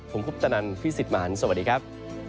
ผมคุปตนันพี่สิทธิ์มหันฯสวัสดีครับ